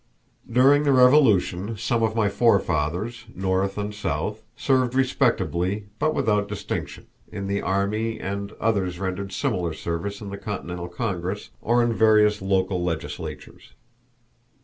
During the Revolution some of my forefathers, North and South, served respectably, but without distinction, in the army, and others rendered similar service in the Continental Congress or in various local legislatures.